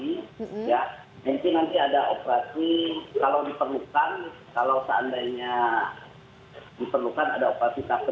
nanti nanti ada operasi kalau diperlukan kalau seandainya diperlukan ada operasi ke dua